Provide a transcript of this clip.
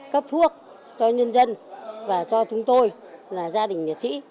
cấp thuốc cho nhân dân và cho chúng tôi là gia đình liệt sĩ